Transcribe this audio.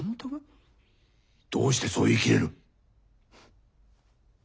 どうしてそう言い切れる？